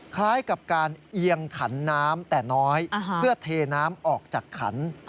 คล้ายกับการเอียงขันน้ำแต่น้อยเพื่อเทน้ำออกจากขัน